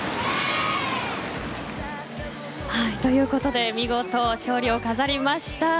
ということで見事勝利を飾りました。